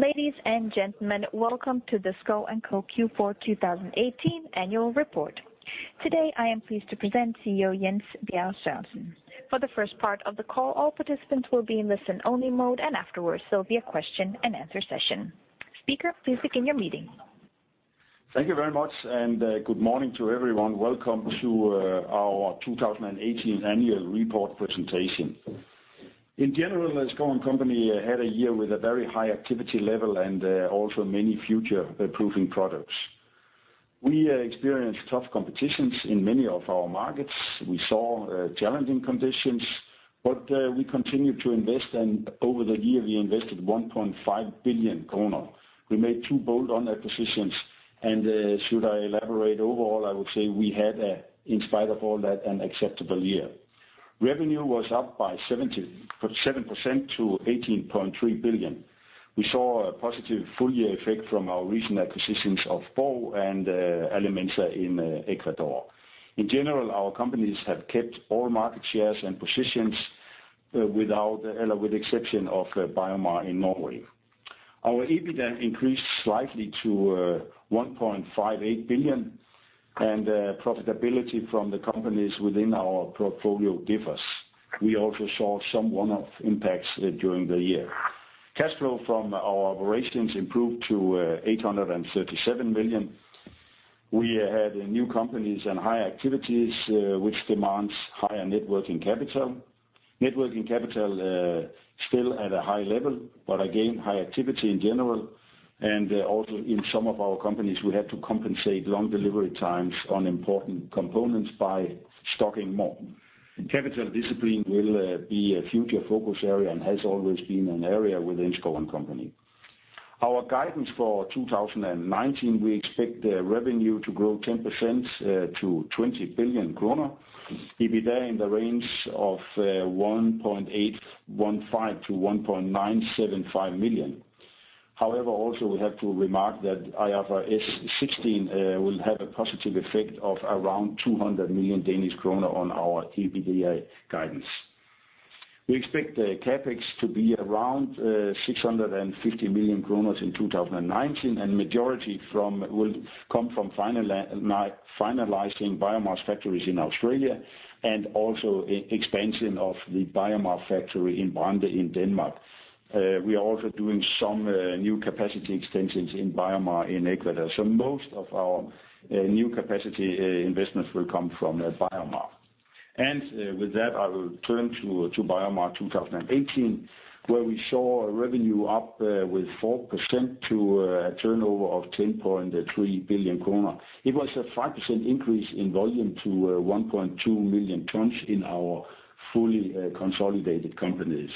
Ladies and gentlemen, welcome to the Schouw & Co. Q4 2018 annual report. Today, I am pleased to present CEO Jens Bjerg Sørensen. For the first part of the call, all participants will be in listen-only mode, and afterwards there'll be a question-and-answer session. Speaker, please begin your meeting. Thank you very much. Good morning to everyone. Welcome to our 2018 annual report presentation. In general, as Schouw & Co. had a year with a very high activity level and also many future-proofing products. We experienced tough competitions in many of our markets. We saw challenging conditions, but we continued to invest, and over the year, we invested 1.5 billion kroner. We made two bold acquisitions. Should I elaborate overall, I would say we had, in spite of all that, an acceptable year. Revenue was up by 7% to 18.3 billion. We saw a positive full-year effect from our recent acquisitions of Bow and Alimentsa in Ecuador. In general, our companies have kept all market shares and positions with the exception of BioMar in Norway. Our EBITA increased slightly to 1.58 billion. Profitability from the companies within our portfolio give us. We also saw some one-off impacts during the year. Cash flow from our operations improved to 837 million. We had new companies and high activities, which demands higher net working capital. Net working capital still at a high level, but again, high activity in general. Also in some of our companies, we had to compensate long delivery times on important components by stocking more. Capital discipline will be a future focus area and has always been an area within Schouw & Co. Our guidance for 2019, we expect the revenue to grow 10% to 20 billion kroner. EBITA in the range of 1,815 million-1,975 million. Also we have to remark that IFRS 16 will have a positive effect of around 200 million Danish kroner on our EBITDA guidance. We expect the CapEx to be around 650 million in 2019. Majority will come from finalizing BioMar's factories in Australia, also expansion of the BioMar factory in Brande in Denmark. We are also doing some new capacity extensions in BioMar in Ecuador. Most of our new capacity investments will come from BioMar. With that, I will turn to BioMar 2018, where we saw a revenue up with 4% to a turnover of 10.3 billion kroner. It was a 5% increase in volume to 1.2 million tons in our fully consolidated companies.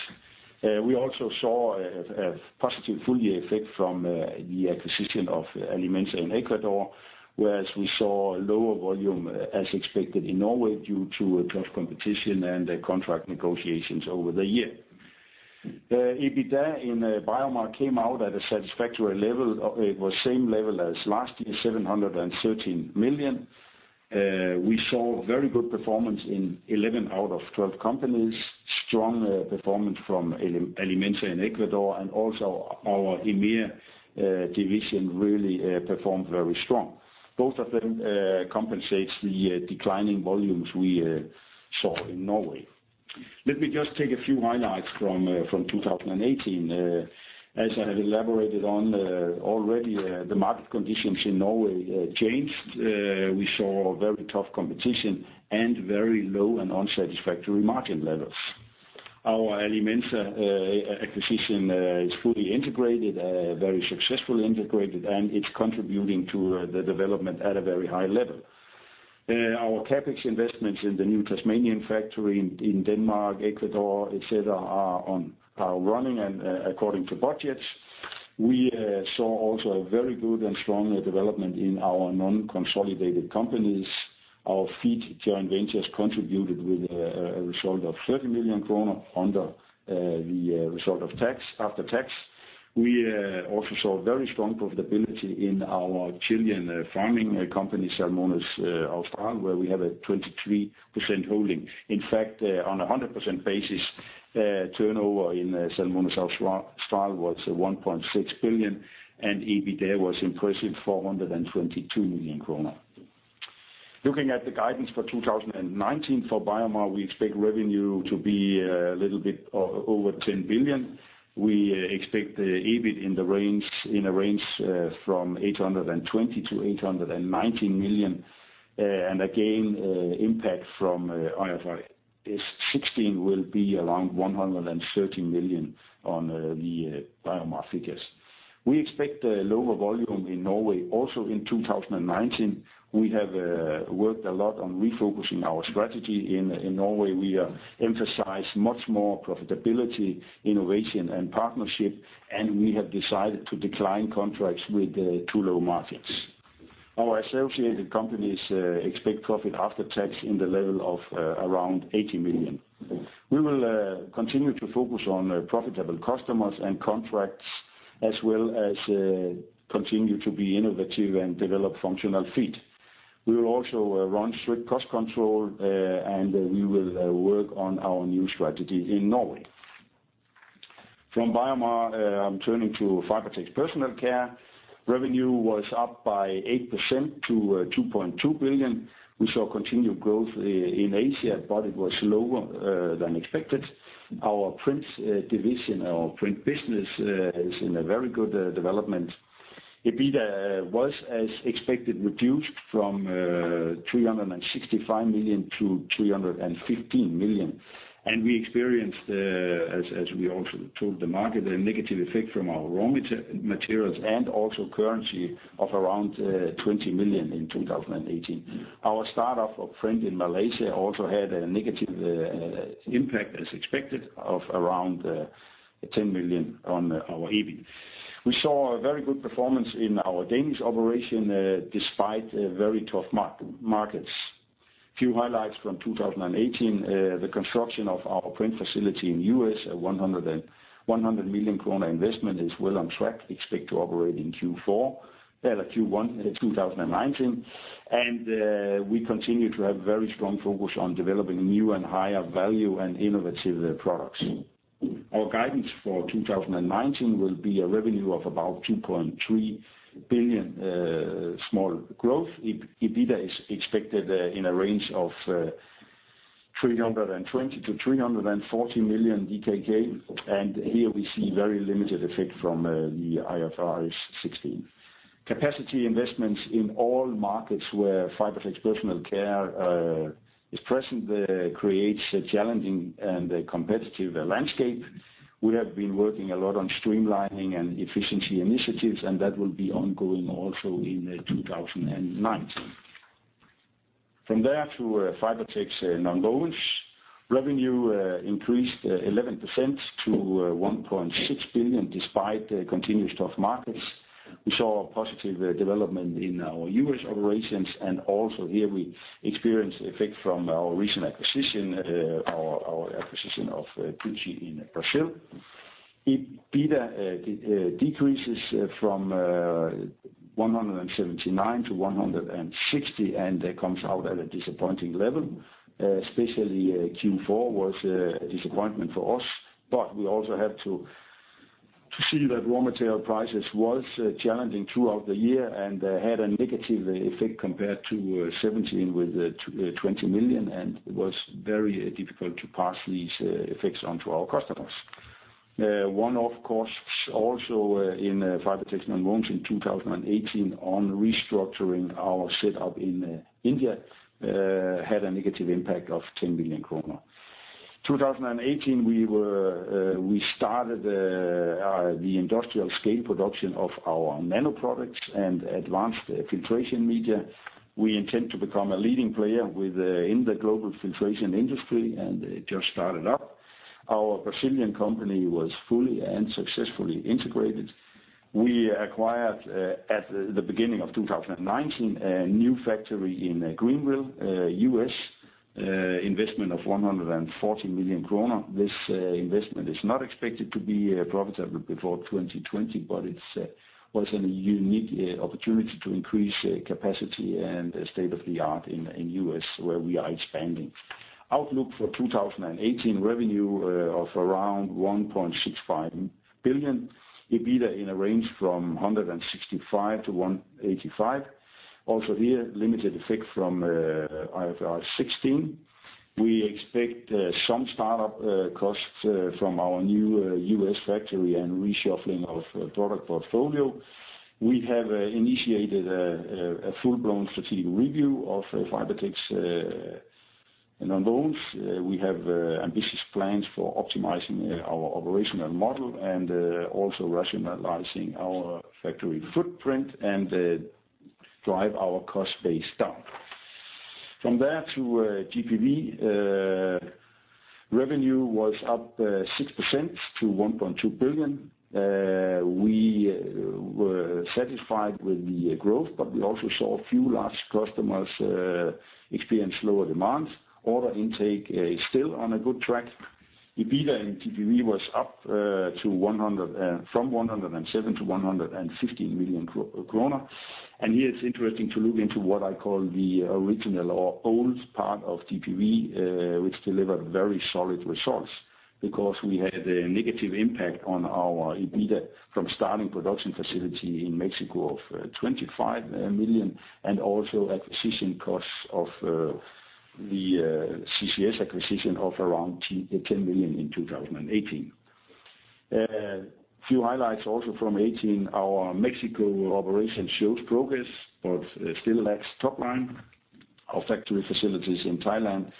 We also saw a positive full-year effect from the acquisition of Alimentsa in Ecuador, whereas we saw lower volume as expected in Norway due to tough competition and contract negotiations over the year. The EBITA in BioMar came out at a satisfactory level. It was same level as last year, 713 million. We saw very good performance in 11 out of 12 companies. Strong performance from Alimentsa in Ecuador and also our EMEA division really performed very strong. Both of them compensates the declining volumes we saw in Norway. Let me just take a few highlights from 2018. As I have elaborated on already, the market conditions in Norway changed. We saw very tough competition and very low and unsatisfactory margin levels. Our Alimentsa acquisition is fully integrated, very successfully integrated, and it's contributing to the development at a very high level. Our CapEx investments in the new Tasmanian factory in Denmark, Ecuador, et cetera, are running and according to budget. We saw also a very good and strong development in our non-consolidated companies. Our feed joint ventures contributed with a result of 30 million kroner under the result of tax, after tax. We also saw very strong profitability in our Chilean farming company, Salmones Austral, where we have a 23% holding. In fact, on 100% basis, turnover in Salmones Austral was 1.6 billion and EBITA was impressive, 422 million kroner. Looking at the guidance for 2019 for BioMar, we expect revenue to be a little bit over 10 billion. We expect the EBIT in a range from 820 million-890 million, and again, impact from IFRS 16 will be around 130 million on the BioMar figures. We expect lower volume in Norway also in 2019. We have worked a lot on refocusing our strategy in Norway. We emphasize much more profitability, innovation, and partnership, and we have decided to decline contracts with too low margins. Our associated companies expect profit after tax in the level of around 80 million. We will continue to focus on profitable customers and contracts, as well as continue to be innovative and develop functional feed. We will also run strict cost control, and we will work on our new strategy in Norway. From BioMar, I'm turning to Fibertex Personal Care. Revenue was up by 8% to 2.2 billion. We saw continued growth in Asia, but it was lower than expected. Our prints division, our print business, is in a very good development. EBITDA was as expected, reduced from 365 million-315 million. We experienced, as we also told the market, a negative effect from our raw materials and also currency of around 20 million in 2018. Our start-up of print in Malaysia also had a negative impact, as expected, of around 10 million on our EB. We saw a very good performance in our Danish operation, despite very tough markets. A few highlights from 2018, the construction of our print facility in the U.S., a 100 million kroner investment, is well on track. Expect to operate in Q1 in 2019. We continue to have very strong focus on developing new and higher value and innovative products. Our guidance for 2019 will be a revenue of about 2.3 billion, small growth. EBITDA is expected in a range of 320 million-340 million DKK, and here we see very limited effect from the IFRS 16. Capacity investments in all markets where Fibertex Personal Care is present creates a challenging and competitive landscape. We have been working a lot on streamlining and efficiency initiatives, that will be ongoing also in 2019. From there to Fibertex Nonwovens. Revenue increased 11% to 1.6 billion despite the continued tough markets. We saw a positive development in our U.S. operations, and also here we experienced the effect from our recent acquisition, our acquisition of Duci in Brazil. EBITDA decreases from 179 million to 160 million, and that comes out at a disappointing level. Especially Q4 was a disappointment for us. But we also have to see that raw material prices was challenging throughout the year and had a negative effect compared to 2017 with 20 million, and it was very difficult to pass these effects on to our customers. One-off costs also in Fibertex Nonwovens in 2018 on restructuring our setup in India, had a negative impact of 10 million kroner. 2018, we started the industrial scale production of our nanoproducts and advanced filtration media. We intend to become a leading player in the global filtration industry, and it just started up. Our Brazilian company was fully and successfully integrated. We acquired, at the beginning of 2019, a new factory in Greenville, U.S. Investment of 140 million kroner. This investment is not expected to be profitable before 2020, but it's a unique opportunity to increase capacity and state-of-the-art in U.S., where we are expanding. Outlook for 2018, revenue of around 1.65 billion. EBITDA in a range from 165 million to 185 million. Also here, limited effect from IFRS 16. We expect some start-up costs from our new U.S. factory and reshuffling of product portfolio. We have initiated a full-blown strategic review of Fibertex Nonwovens. We have ambitious plans for optimizing our operational model and also rationalizing our factory footprint and drive our cost base down. From there to GPV. Revenue was up 6% to 1.2 billion. We were satisfied with the growth, but we also saw a few large customers experience lower demands. Order intake is still on a good track. EBITDA in GPV was up from 107 million to 115 million kroner. And here it's interesting to look into what I call the original or old part of GPV, which delivered very solid results because we had a negative impact on our EBITDA from starting production facility in Mexico of 25 million and also acquisition costs of the CCS acquisition of around 10 million in 2018. A few highlights also from 2018. Our Mexico operation shows progress but still lacks top line. Our factory facilities in Thailand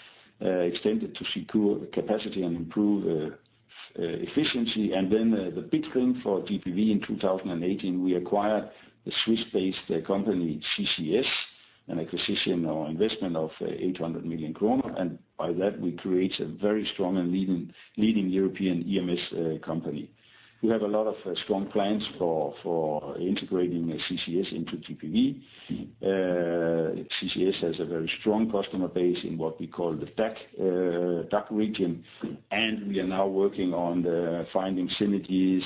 extended to secure capacity and improve efficiency. Then the big thing for GPV in 2018, we acquired the Swiss-based company, CCS. An acquisition or investment of 800 million kroner, and by that, we create a very strong and leading European EMS company. We have a lot of strong plans for integrating CCS into GPV. CCS has a very strong customer base in what we call the DACH region, and we are now working on finding synergies,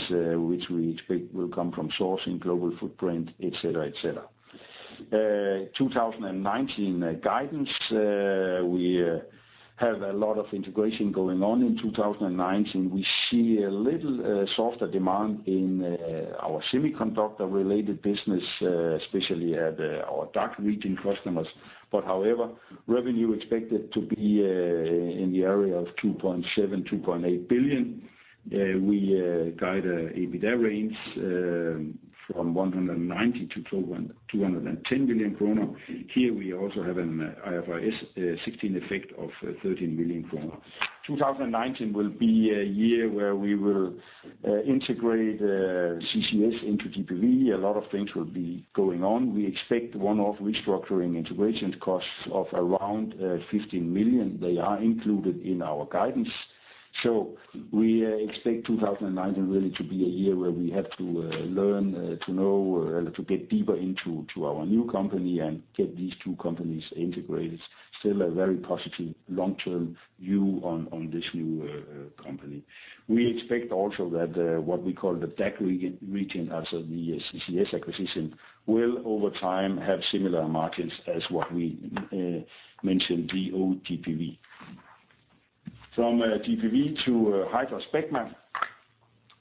which we expect will come from sourcing global footprint, et cetera. 2019 guidance. We have a lot of integration going on in 2019. We see a little softer demand in our semiconductor-related business, especially at our DACH region customers. However, revenue expected to be in the area of 2.7 billion-2.8 billion. We guide EBITDA range from 190 million to 210 million krone. Here we also have an IFRS 16 effect of 13 million krone. 2019 will be a year where we will integrate CCS into GPV. A lot of things will be going on. We expect one-off restructuring integration costs of around 15 million. They are included in our guidance. We expect 2019 really to be a year where we have to learn to know, to get deeper into our new company and get these two companies integrated. Still a very positive long-term view on this new company. We expect also that what we call the DACH region as of the CCS acquisition will over time have similar margins as what we mentioned the old GPV. From GPV to HydraSpecma,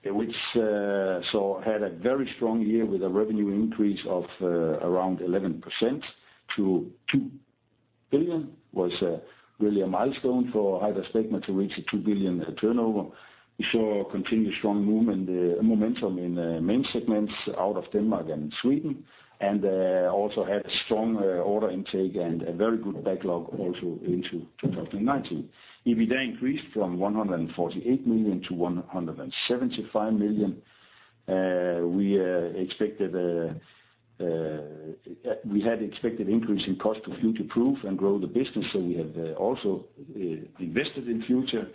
which had a very strong year with a revenue increase of around 11% to 2 billion, was really a milestone for HydraSpecma to reach a 2 billion turnover. We saw continued strong momentum in the main segments out of Denmark and Sweden, also had a strong order intake and a very good backlog also into 2019. EBITDA increased from 148 million to 175 million. We had expected increase in cost of future-proof and grow the business, we have also invested in future.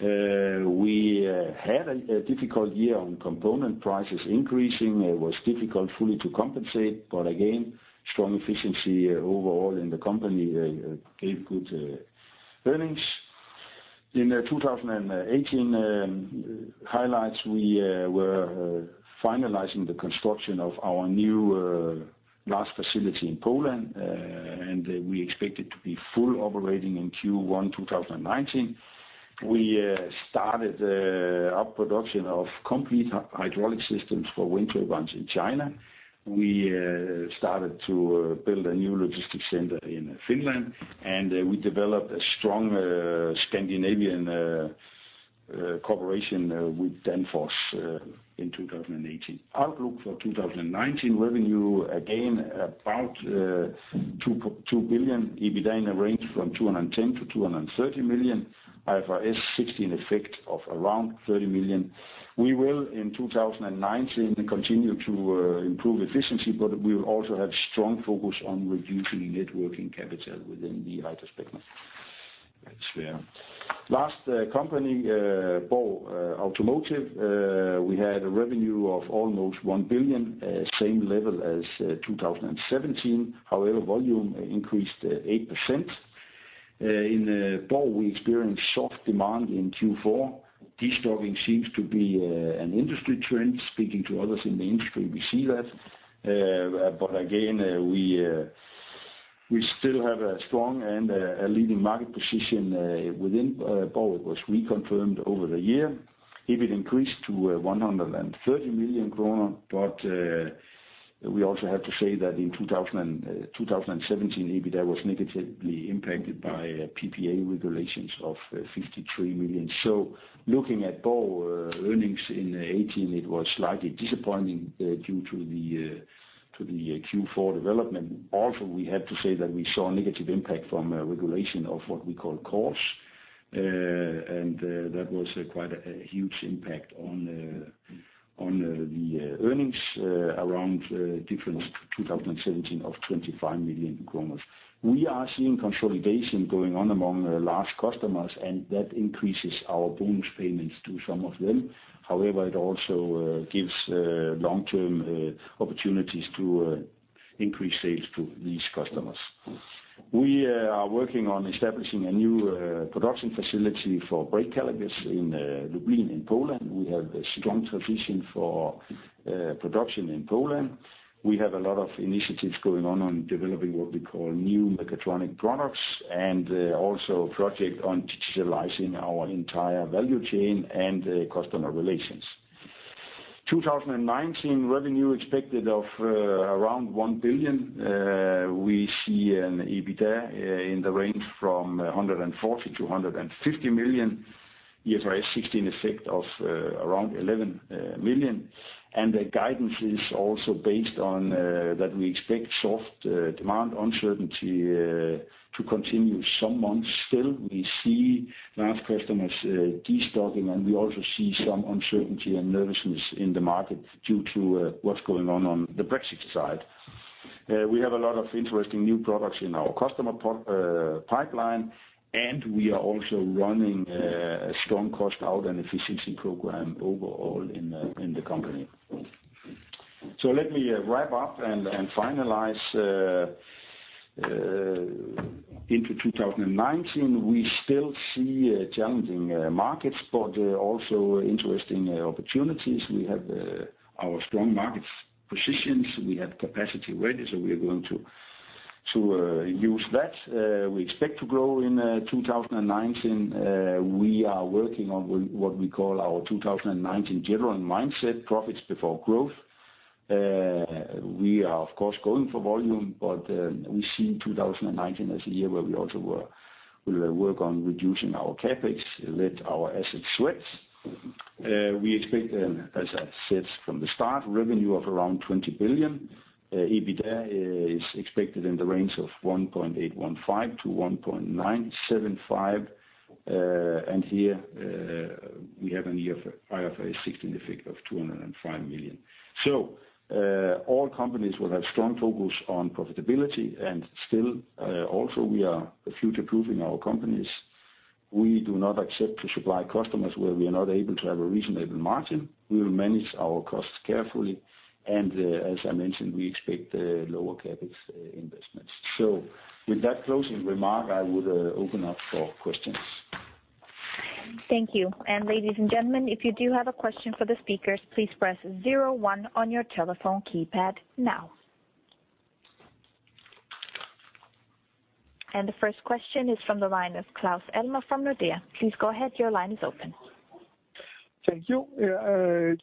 We had a difficult year on component prices increasing. It was difficult fully to compensate, again, strong efficiency overall in the company gave good earnings. In the 2018 highlights, we were finalizing the construction of our new glass facility in Poland, we expect it to be full operating in Q1 2019. We started our production of complete hydraulic systems for wind turbines in China. We started to build a new logistics center in Finland, we developed a strong Scandinavian cooperation with Danfoss in 2018. Outlook for 2019 revenue, again, about 2 billion. EBITDA in the range from 210 million-230 million. IFRS 16 effect of around 30 million. We will, in 2019, continue to improve efficiency, we will also have strong focus on reducing net working capital within the HydraSpecma. Last company, Borg Automotive. We had a revenue of almost 1 billion, same level as 2017. However, volume increased 8%. In Borg, we experienced soft demand in Q4. Destocking seems to be an industry trend. Speaking to others in the industry, we see that. Again, we still have a strong and a leading market position within Borg, was reconfirmed over the year. EBIT increased to 130 million kroner, we also have to say that in 2017, EBITDA was negatively impacted by PPA regulations of 53 million. Looking at Borg earnings in 2018, it was slightly disappointing due to the Q4 development. We have to say that we saw a negative impact from regulation of what we call cores. That was quite a huge impact on the earnings around difference 2017 of 25 million. We are seeing consolidation going on among large customers, that increases our bonus payments to some of them. It also gives long-term opportunities to increase sales to these customers. We are working on establishing a new production facility for brake calipers in Lublin in Poland. We have a strong tradition for production in Poland. We have a lot of initiatives going on on developing what we call new mechatronic products, also a project on digitalizing our entire value chain and customer relations. 2019 revenue expected of around 1 billion. We see an EBITDA in the range from 140 million-150 million. IFRS 16 effect of around 11 million. The guidance is also based on that we expect soft demand uncertainty to continue some months still. We see large customers destocking. We also see some uncertainty and nervousness in the market due to what's going on on the Brexit side. We have a lot of interesting new products in our customer pipeline. We are also running a strong cost out and efficiency program overall in the company. Let me wrap up and finalize. Into 2019, we still see challenging markets, but also interesting opportunities. We have our strong market positions. We have capacity ready. We are going to use that. We expect to grow in 2019. We are working on what we call our 2019 general mindset, profits before growth. We are, of course, going for volume. We see 2019 as a year where we also will work on reducing our CapEx, let our assets sweat. We expect, as I said from the start, revenue of around 20 billion. EBITDA is expected in the range of 1.815 billion-1.975 billion. Here, we have an IFRS 16 effect of 205 million. All companies will have strong focus on profitability. Still, also we are future-proofing our companies. We do not accept to supply customers where we are not able to have a reasonable margin. We will manage our costs carefully. As I mentioned, we expect lower CapEx investments. With that closing remark, I would open up for questions. Thank you. Ladies and gentlemen, if you do have a question for the speakers, please press 01 on your telephone keypad now. The first question is from the line of Claus Almer from Nordea. Please go ahead. Your line is open. Thank you.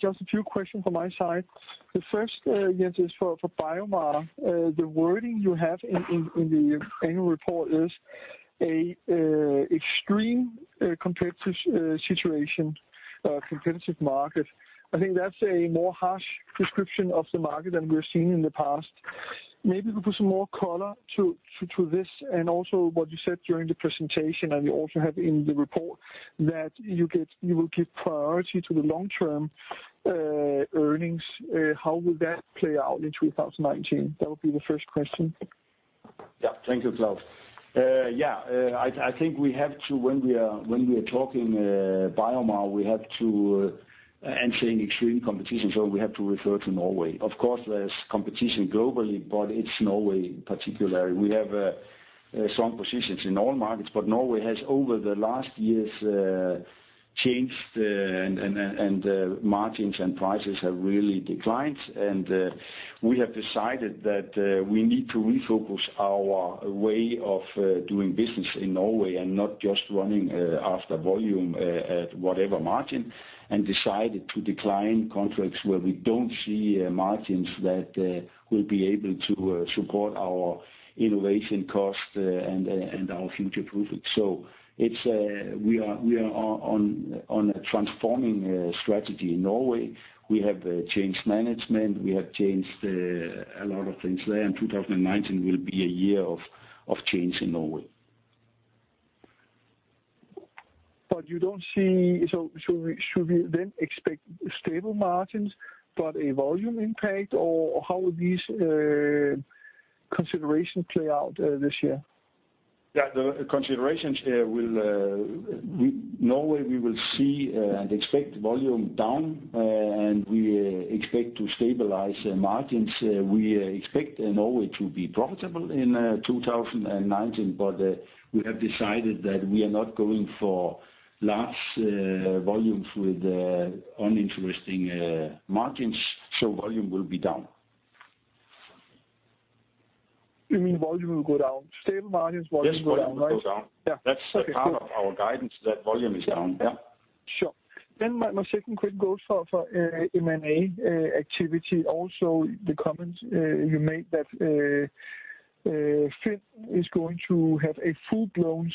Just a few questions from my side. The first, yes, is for BioMar. The wording you have in the annual report is, an extreme competitive situation, competitive market. I think that's a more harsh description of the market than we've seen in the past. Maybe you could put some more color to this and also what you said during the presentation, and you also have in the report that you will give priority to the long-term earnings. How will that play out in 2019? That would be the first question. Thank you, Claus Almer. I think when we are talking BioMar and saying extreme competition, we have to refer to Norway. Of course, there's competition globally, but it's Norway in particular. We have strong positions in all markets, but Norway has, over the last years, changed, and margins and prices have really declined. We have decided that we need to refocus our way of doing business in Norway and not just running after volume at whatever margin and decided to decline contracts where we don't see margins that will be able to support our innovation cost and our future-proofing. We are on a transforming strategy in Norway. We have changed management. We have changed a lot of things there, and 2019 will be a year of change in Norway. Should we then expect stable margins but a volume impact, or how will these considerations play out this year? The considerations, Norway, we will see and expect volume down, and we expect to stabilize margins. We expect Norway to be profitable in 2019, but we have decided that we are not going for large volumes with uninteresting margins, so volume will be down. You mean volume will go down. Stable margins, volume will go down, right? Yes, volume goes down. Yeah. Okay. That's a part of our guidance, that volume is down. Yeah. Sure. My second quick goes for M&A activity. Also, the comments you made that Finn is going to have a full-blown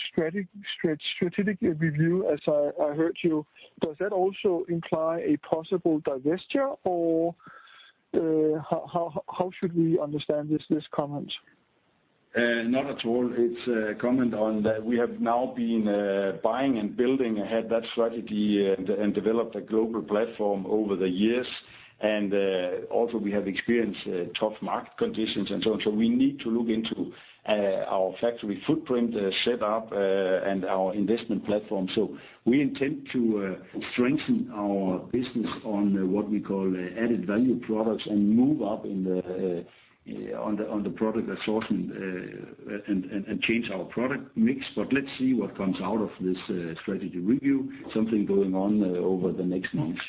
strategic review, as I heard you. Does that also imply a possible divestiture, or how should we understand this comment? Not at all. It's a comment on that we have now been buying and building ahead that strategy and developed a global platform over the years. We have experienced tough market conditions and so on. We need to look into our factory footprint, the setup, and our investment platform. We intend to strengthen our business on what we call added-value products and move up on the product assortment and change our product mix. Let's see what comes out of this strategy review, something going on over the next months.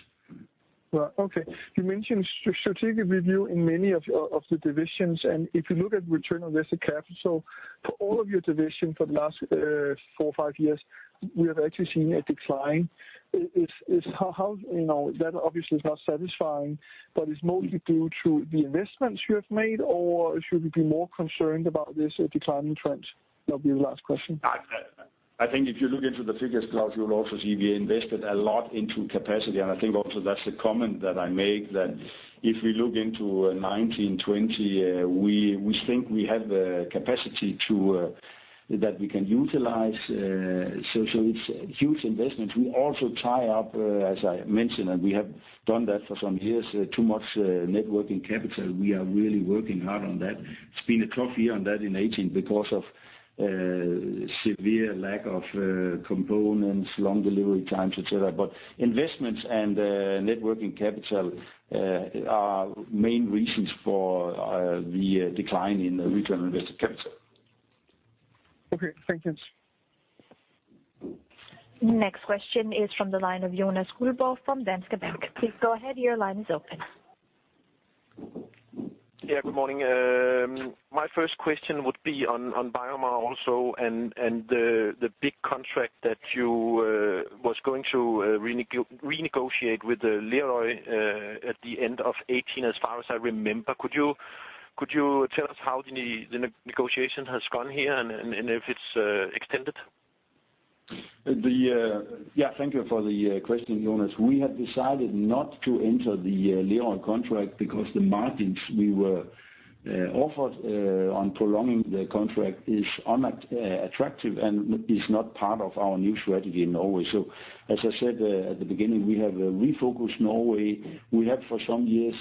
Well, okay. You mentioned strategic review in many of the divisions, and if you look at return on invested capital for all of your divisions for the last four or five years, we have actually seen a decline. That obviously is not satisfying, but it's mostly due to the investments you have made, or should we be more concerned about this declining trend? That'll be the last question. I think if you look into the figures, Claus, you'll also see we invested a lot into capacity. I think also that's a comment that I make that if we look into 2019, 2020, we think we have the capacity that we can utilize. It's huge investments. We also tie up, as I mentioned, and we have done that for some years, too much net working capital. We are really working hard on that. It's been a tough year on that in 2018 because of severe lack of components, long delivery times, et cetera. Investments and networking capital are main reasons for the decline in the return on invested capital. Okay, thank you. Next question is from the line of Jonas Ryberg from Danske Bank. Please go ahead, your line is open. Yeah, good morning. My first question would be on BioMar also and the big contract that you was going to renegotiate with Lerøy at the end of 2018, as far as I remember. Could you tell us how the negotiation has gone here and if it's extended? Yeah. Thank you for the question, Jonas. We have decided not to enter the Lerøy contract because the margins we were offered on prolonging the contract is unattractive and is not part of our new strategy in Norway. As I said at the beginning, we have refocused Norway. We have for some years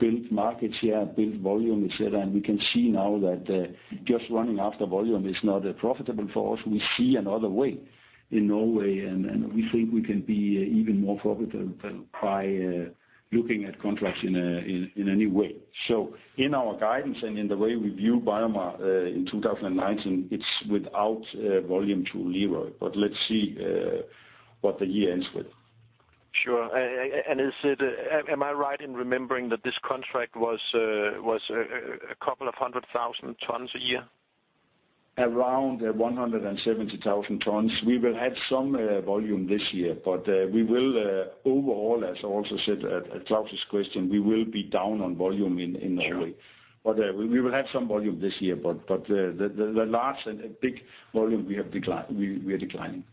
built markets here, built volume, et cetera, and we can see now that just running after volume is not profitable for us. We see another way in Norway, and we think we can be even more profitable by looking at contracts in a new way. In our guidance and in the way we view BioMar in 2019, it's without volume to Lerøy, but let's see what the year ends with. Sure. Am I right in remembering that this contract was a couple of hundred thousand tons a year? Around 170,000 tons. We will have some volume this year, we will, overall, as I also said, at Claus' question, we will be down on volume in Norway. Sure. We will have some volume this year, but the large and big volume, we are declining.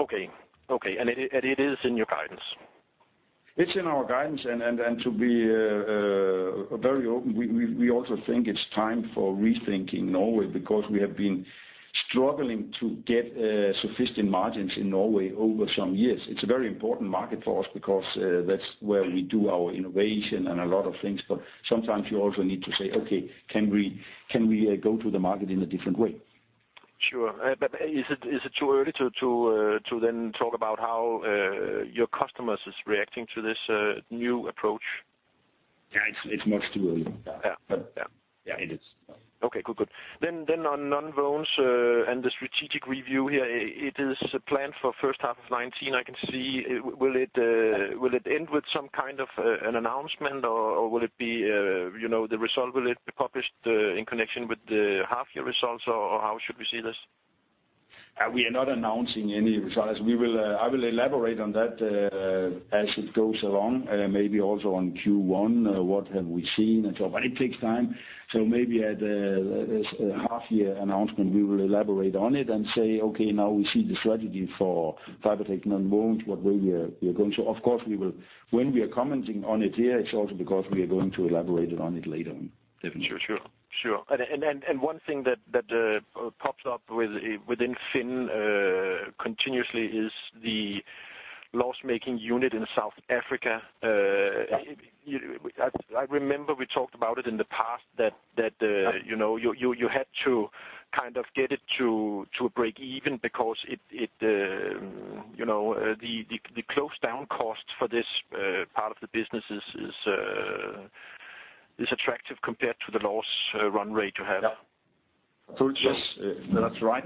Okay. It is in your guidance? It's in our guidance and to be very open, we also think it's time for rethinking Norway because we have been struggling to get sufficient margins in Norway over some years. It's a very important market for us because that's where we do our innovation and a lot of things, but sometimes you also need to say, okay, can we go to the market in a different way? Sure. Is it too early to then talk about how your customers is reacting to this new approach? Yeah, it's much too early. Yeah. Yeah, it is. Okay, good. On nonwovens and the strategic review here, it is planned for first half of 2019, I can see. Will it end with some kind of an announcement, or will it be the result will be published in connection with the half-year results, or how should we see this? We are not announcing any results. I will elaborate on that as it goes along. Maybe also on Q1, what have we seen and so on. It takes time. Maybe at the half-year announcement, we will elaborate on it and say, okay, now we see the strategy for Fibertex Nonwovens, what way we are going. Of course, when we are commenting on it here, it is also because we are going to elaborate on it later on, definitely. Sure. One thing that pops up within Fibertex continuously is the loss-making unit in South Africa. I remember we talked about it in the past. Yeah You had to kind of get it to break even because the closedown cost for this part of the business is attractive compared to the loss run rate you have. Yeah. It is just. So- That's right.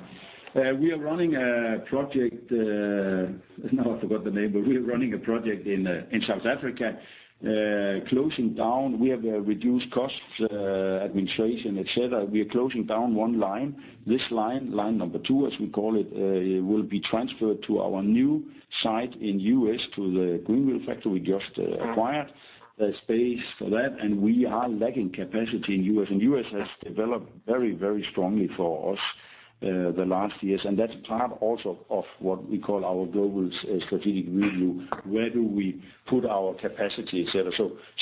We are running a project, now I forgot the name, but we are running a project in South Africa closing down. We have reduced costs, administration, et cetera. We are closing down one line. This line number 2, as we call it, will be transferred to our new site in U.S. to the Greenville factory we just acquired. There's space for that, and we are lacking capacity in U.S. U.S. has developed very strongly for us the last years, and that's part also of what we call our global strategic review. Where do we put our capacity, et cetera.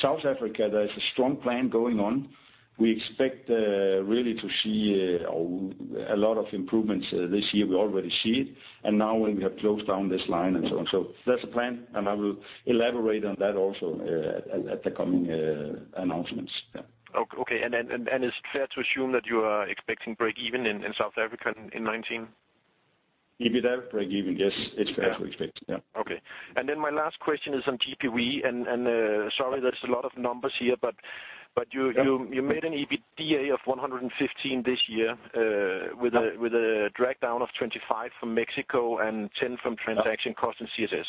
South Africa, there is a strong plan going on. We expect really to see a lot of improvements this year. We already see it, and now when we have closed down this line and so on. That's the plan, and I will elaborate on that also at the coming announcements. Yeah. Okay. Is it fair to assume that you are expecting break even in South Africa in 2019? EBITDA break even, yes. It's fair to expect. Yeah. Okay. My last question is on GPV, sorry, there's a lot of numbers here. Yeah you made an EBITDA of 115 this year. Yeah with a drag down of 25 from Mexico and 10 from transaction cost in CCS.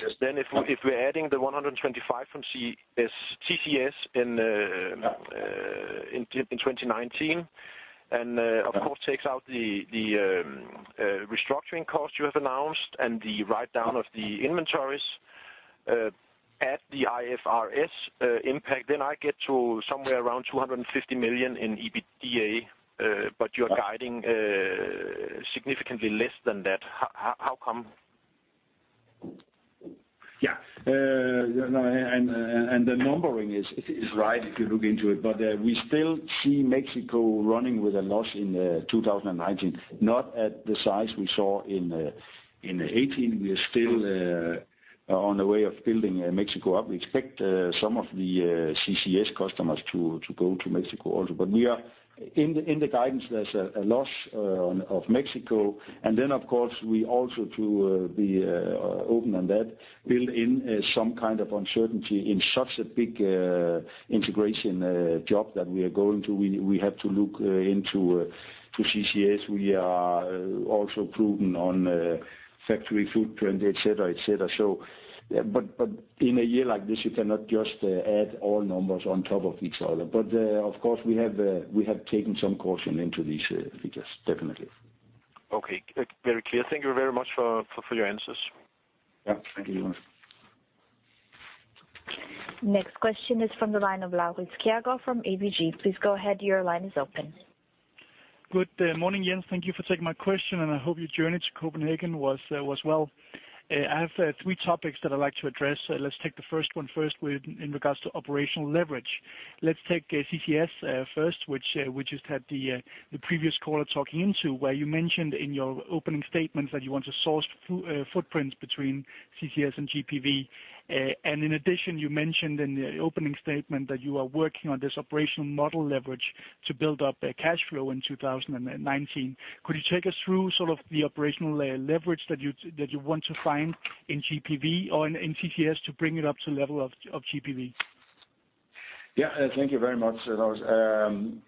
Yes. If we're adding the 125 from CCS in. Yeah 2019. Yeah takes out the restructuring cost you have announced and the write-down of the inventories, add the IFRS impact, then I get to somewhere around 250 million in EBITDA, but you're guiding significantly less than that. How come? Yeah. No. The numbering is right if you look into it, but we still see Mexico running with a loss in 2019. Not at the size we saw in 2018. We are still on the way of building Mexico up. We expect some of the CCS customers to go to Mexico also. In the guidance, there's a loss of Mexico. Of course, we also to be open on that, build in some kind of uncertainty in such a big integration job that we are going to. We have to look into CCS. We are also prudent on factory footprint, et cetera. In a year like this, you cannot just add all numbers on top of each other. Of course, we have taken some caution into these figures, definitely. Okay. Very clear. Thank you very much for your answers. Yeah. Thank you. Next question is from the line of Laurits Kjaergaard from ABG. Please go ahead, your line is open. Good morning, Jens. Thank you for taking my question, and I hope your journey to Copenhagen was well. I have three topics that I'd like to address. Let's take the first one first, in regards to operational leverage. Let's take CCS first, which you had the previous caller talking into, where you mentioned in your opening statement that you want to source footprints between CCS and GPV. In addition, you mentioned in the opening statement that you are working on this operational model leverage to build up cash flow in 2019. Could you take us through sort of the operational leverage that you want to find in GPV or in CCS to bring it up to the level of GPV? Yeah. Thank you very much, Laurits.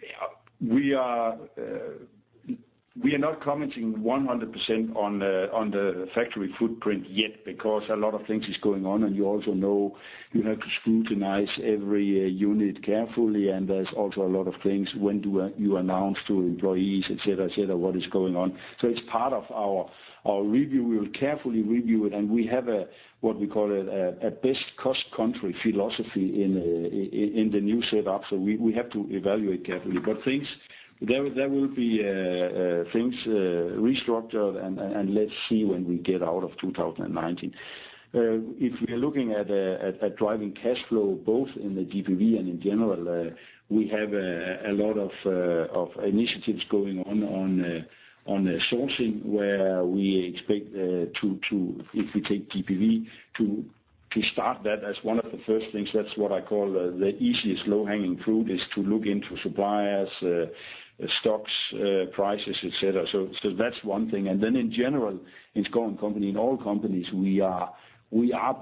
We are not commenting 100% on the factory footprint yet because a lot of things is going on and you also know you have to scrutinize every unit carefully, and there's also a lot of things. When do you announce to employees, et cetera, what is going on? It's part of our review. We will carefully review it, and we have what we call a best cost country philosophy in the new setup. We have to evaluate carefully. There will be things restructured and let's see when we get out of 2019. If we are looking at driving cash flow both in the GPV and in general, we have a lot of initiatives going on sourcing where we expect to, if we take GPV, to start that as one of the first things. That's what I call the easiest low-hanging fruit, is to look into suppliers, stocks, prices, et cetera. That's one thing. In general, in Schouw & Co. and in all companies, we are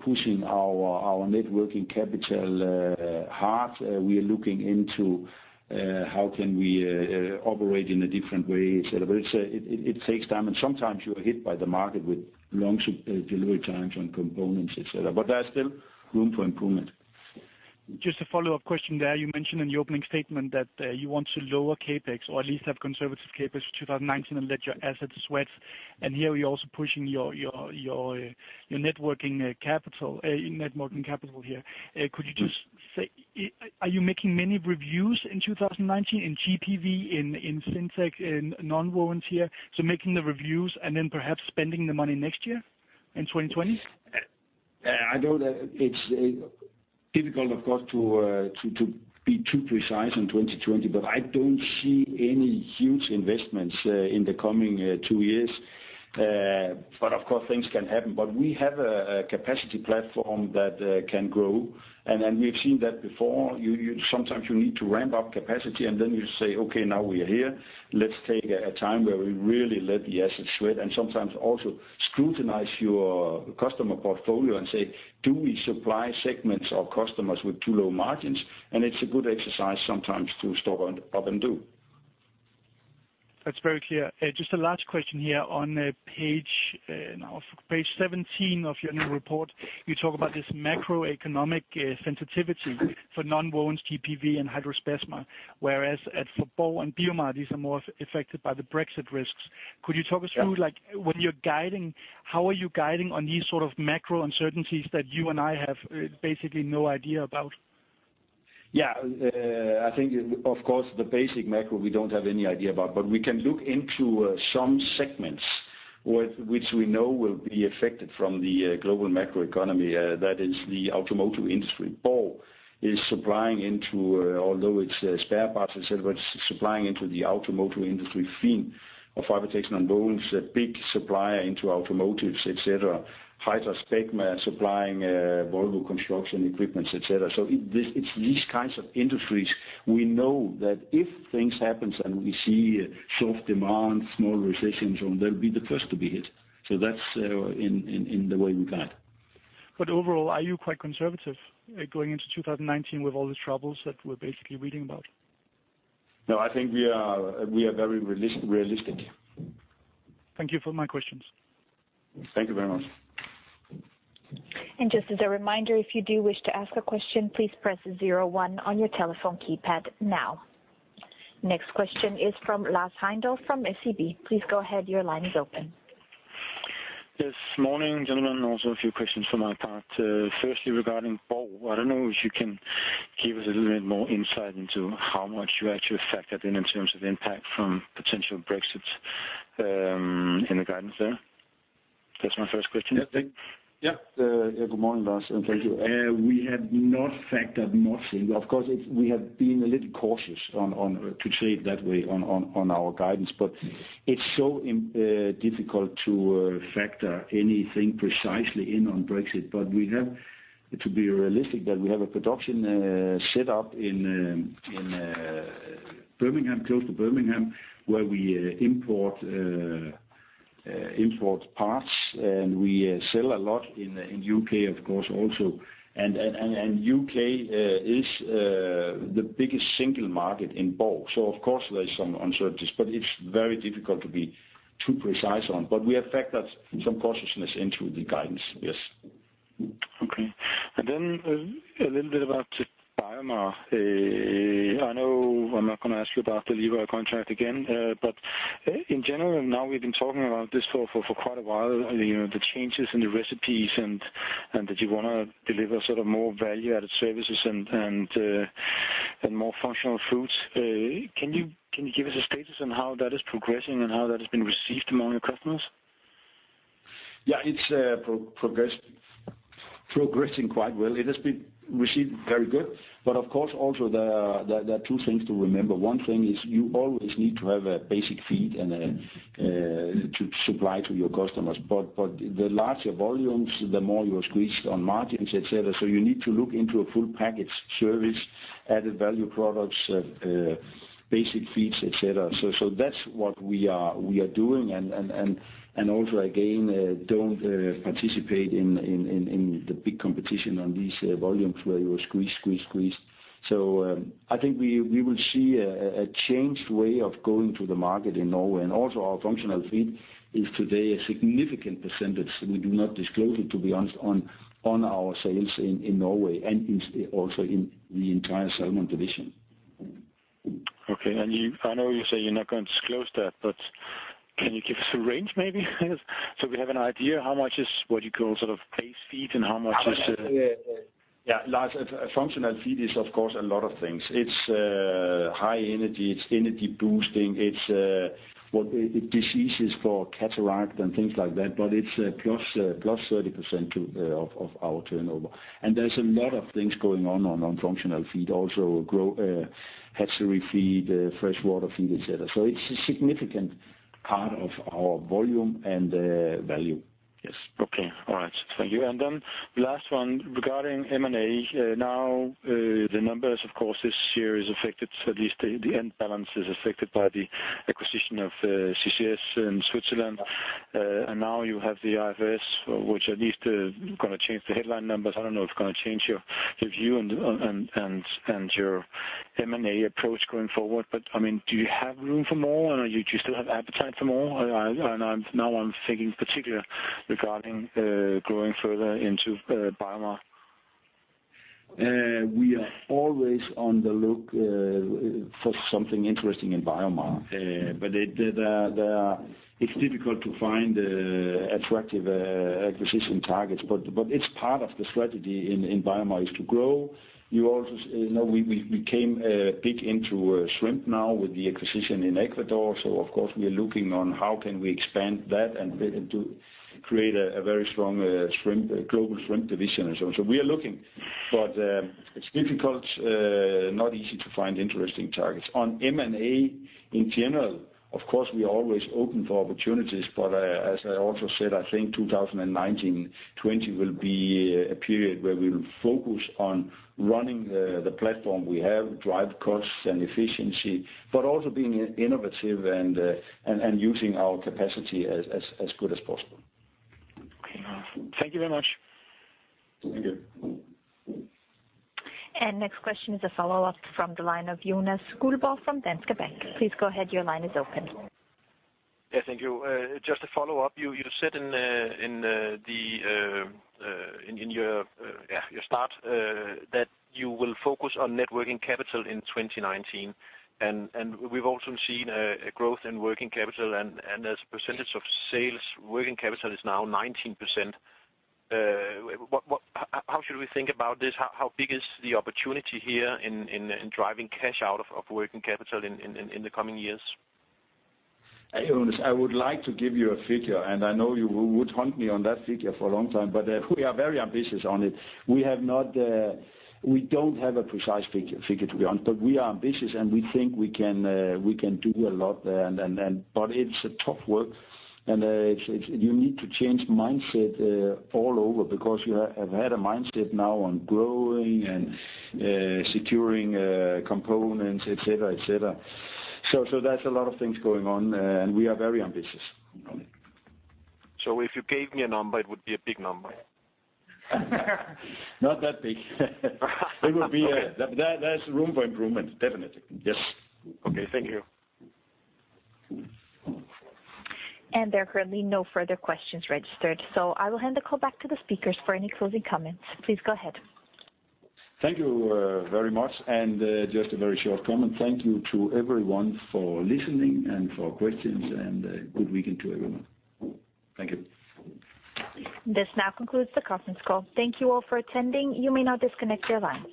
pushing our networking capital hard. We are looking into how can we operate in a different way, et cetera. It takes time, and sometimes you are hit by the market with long delivery times on components, et cetera. There's still room for improvement. Just a follow-up question there. You mentioned in the opening statement that you want to lower CapEx or at least have conservative CapEx for 2019 and let your assets sweat. Here you're also pushing your networking capital here. Could you just say, are you making many reviews in 2019 in GPV, in Fibertex, in nonwovens? Making the reviews and then perhaps spending the money next year in 2020? I know that it's difficult, of course, to be too precise in 2020, I don't see any huge investments in the coming two years. Of course, things can happen. We have a capacity platform that can grow, and we've seen that before. Sometimes you need to ramp up capacity and then you say, "Okay, now we are here. Let's take a time where we really let the assets sweat." Sometimes also scrutinize your customer portfolio and say, "Do we supply segments or customers with too low margins?" It's a good exercise sometimes to stop and do. That's very clear. Just a last question here. On page 17 of your new report, you talk about this macroeconomic sensitivity for nonwovens, GPV and HydraSpecma. Whereas for Alimentsa and BioMar, these are more affected by the Brexit risks. Could you talk us through, when you're guiding, how are you guiding on these sort of macro uncertainties that you and I have basically no idea about? Yeah. I think, of course, the basic macro we don't have any idea about, we can look into some segments which we know will be affected from the global macroeconomy. That is the automotive industry. Alimentsa is supplying into, although it's spare parts, et cetera, it's supplying into the automotive industry. Fibertex Nonwovens, a big supplier into automotives, et cetera. HydraSpecma supplying Volvo Construction Equipment, et cetera. It's these kinds of industries we know that if things happens and we see soft demand, small recessions, they'll be the first to be hit. That's in the way we guide. Overall, are you quite conservative going into 2019 with all the troubles that we're basically reading about? No, I think we are very realistic. Thank you for my questions. Thank you very much. Just as a reminder, if you do wish to ask a question, please press zero one on your telephone keypad now. Next question is from Lars Heindorff from SEB. Please go ahead, your line is open. Yes. Morning, gentlemen. Also a few questions from my part. Firstly, regarding Alimentsa. I don't know if you can give us a little bit more insight into how much you actually factored in in terms of impact from potential Brexit in the guidance there? That's my first question. Yeah. Yeah. Good morning, Lars, and thank you. We have not factored nothing. Of course, we have been a little cautious, to say it that way, on our guidance. But it's so difficult to factor anything precisely in on Brexit. But to be realistic, we have a production set up close to Birmingham, where we import parts, and we sell a lot in U.K. of course, also. And U.K. is the biggest single market in Borg. So of course there's some uncertainties, but it's very difficult to be too precise on. But we have factored some cautiousness into the guidance. Yes. Then a little bit about BioMar. I know I'm not going to ask you about the Lerøy contract again. But in general, now we've been talking about this for quite a while, the changes in the recipes and that you want to deliver sort of more value-added services and more functional foods. Can you give us a status on how that is progressing and how that has been received among your customers? Yeah, it's progressing quite well. It has been received very good. But of course, also there are two things to remember. One thing is you always need to have a basic feed to supply to your customers. But the larger volumes, the more you are squeezed on margins, et cetera. So you need to look into a full package service, added value products, basic feeds, et cetera. That's what we are doing, and also, again, don't participate in the big competition on these volumes where you are squeezed. I think we will see a changed way of going to the market in Norway, and also our functional feed is today a significant percentage. We do not disclose it, to be honest, on our sales in Norway and also in the entire salmon division. Okay. I know you say you're not going to disclose that, but can you give us a range maybe so we have an idea how much is what you call sort of base feed and how much is- Yeah. Lars, a functional feed is of course, a lot of things. It's high energy, it's energy boosting, it's what the disease is for cataract and things like that, but it's plus 30% of our turnover. There's a lot of things going on on functional feed also, hatchery feed, freshwater feed, et cetera. It's a significant part of our volume and value. Yes. Okay. All right. Thank you. The last one regarding M&A. Now the numbers, of course, this year is affected, at least the end balance is affected by the acquisition of CCS in Switzerland. Now you have the IFRS, which at least going to change the headline numbers. I don't know if it's going to change your view and your M&A approach going forward, but, do you have room for more? Do you still have appetite for more? Now I'm thinking particular regarding growing further into BioMar. We are always on the look for something interesting in BioMar. It's difficult to find attractive acquisition targets. It's part of the strategy in BioMar is to grow. We came big into shrimp now with the acquisition in Ecuador. Of course, we are looking on how can we expand that and to create a very strong global shrimp division and so on. We are looking. It's difficult, not easy to find interesting targets. On M&A in general, of course, we are always open for opportunities, but as I also said, I think 2019, 2020 will be a period where we'll focus on running the platform we have, drive costs and efficiency, but also being innovative and using our capacity as good as possible. Okay. Thank you very much. Thank you. Next question is a follow-up from the line of Jonas Skuldbøl from Danske Bank. Please go ahead. Your line is open. Yes, thank you. Just a follow-up. You said in your start that you will focus on net working capital in 2019, and we've also seen a growth in working capital, and as a percentage of sales, working capital is now 19%. How should we think about this? How big is the opportunity here in driving cash out of working capital in the coming years? Jonas, I would like to give you a figure, and I know you would hunt me on that figure for a long time, but we are very ambitious on it. We don't have a precise figure, to be honest, but we are ambitious, and we think we can do a lot. It's a tough work, and you need to change mindset all over because you have had a mindset now on growing and securing components, et cetera. That's a lot of things going on, and we are very ambitious on it. If you gave me a number, it would be a big number? Not that big. Okay. There's room for improvement. Definitely. Yes. Okay. Thank you. There are currently no further questions registered, so I will hand the call back to the speakers for any closing comments. Please go ahead. Thank you very much, just a very short comment. Thank you to everyone for listening and for questions, good weekend to everyone. Thank you. This now concludes the conference call. Thank you all for attending. You may now disconnect your lines.